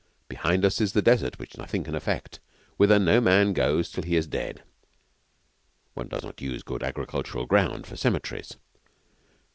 Behind us is the Desert, which nothing can affect; wither no man goes till he is dead, (One does not use good agricultural ground for cemeteries.)